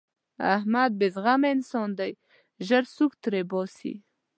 احمد بې زغمه انسان دی؛ ژر سوک تر باسي.